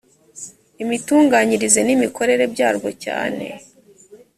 imitunganyirize n imikorere byarwo cyane